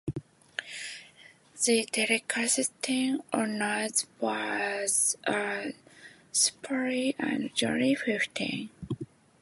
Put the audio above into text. The delicatessen owner was a spry and jolly fifty.